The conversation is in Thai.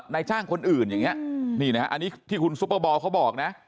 นายจ้างคนอื่นอย่างนี้นี่นะฮะอันนี้ที่คุณซุปเปอร์บอลเขาบอกนะ